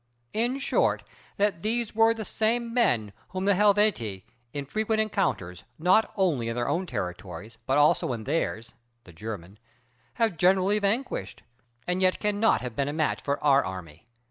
In short, that these were the same men whom the Helvetii, in frequent encounters, not only in their own territories, but also in theirs [the German], have generally vanquished, and yet cannot have been a match for our army.